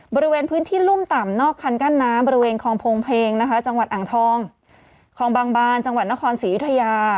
บริเวณพื้นที่รุ่มต่ำนอกคันกั้นน้ำบริเวณคลองโพงเพลงนะคะจังหวัดอ่างทองคลองบางบานจังหวัดนครศรีอยุธยา